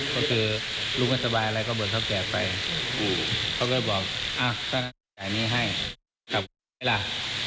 ก็คือรู้กันสบายอะไรก็บอกเค้าแกะไปเค้าก็บอกอ้าวให้กลับไหนล่ะ